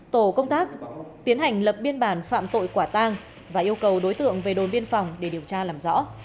tổ công tác tiến hành lập biên bản phạm tội quả tang và yêu cầu đối tượng về đồn biên phòng để điều tra làm rõ